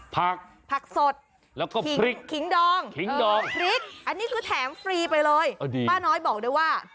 ผักพริกคิงดองอันนี้คือแถมฟรีไปเลยป้าน้อยบอกได้ว่า